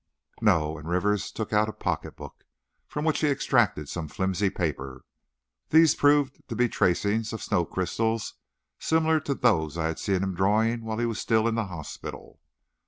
"No," and Rivers took out a pocket book, from which he extracted some flimsy paper. These proved to be tracings of snow crystals similar to those I had seen him drawing while he was still in the hospital.